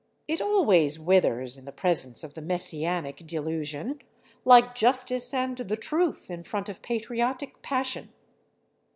It always withers in the presence of the messianic delusion, like justice and the truth in front of patriotic passion.